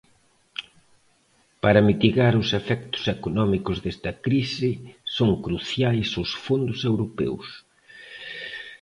Para mitigar os efectos económicos desta crise son cruciais os fondos europeos.